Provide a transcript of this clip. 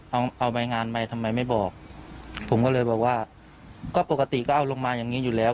เอาเอาใบงานไปทำไมไม่บอกผมก็เลยบอกว่าก็ปกติก็เอาลงมาอย่างนี้อยู่แล้ว